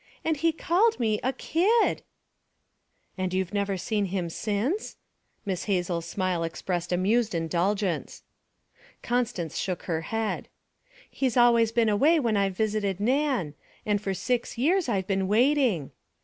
And he called me a kid!' 'And you've never seen him since?' Miss Hazel's smile expressed amused indulgence. Constance shook her head. 'He's always been away when I've visited Nan and for six years I've been waiting.'